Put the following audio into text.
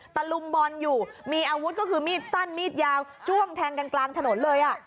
ลุมบอลอยู่มีอาวุธก็คือมีดสั้นมีดยาวจ้วงแทงกันกลางถนนเลย